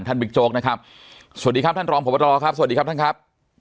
บิ๊กโจ๊กนะครับสวัสดีครับท่านรองพบตรครับสวัสดีครับท่านครับ